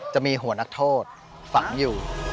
จะมีหัวนักโทษฝังอยู่